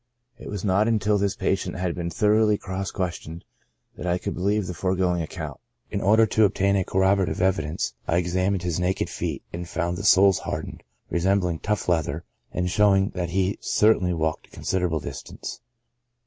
It was not until this patient had been thoroughly cross questioned that I could believe the foregoing account ; in order to obtain a corroborative evidence, I examined his naked feet, and found the soles hardened, resembling tough leather, and showing that he had certainly walked a consid erable distance.